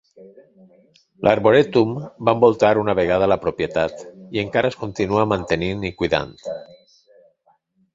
L'arborètum va envoltar una vegada la propietat, i encara es continua mantenint i cuidant.